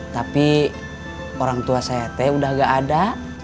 tapi orang tua saya teh udah gak ada